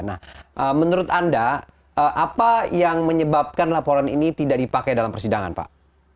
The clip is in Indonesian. nah menurut anda apa yang menyebabkan laporan ini tidak dipakai dalam persidangan pak